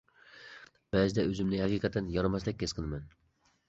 بەزىدە ئۆزۈمنى ھەقىقەتەن يارىماستەك ھېس قىلىمەن.